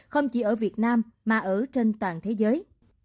không chỉ ở việt nam mà ở trên toàn thế giới